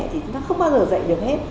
thì chúng ta không bao giờ dạy được hết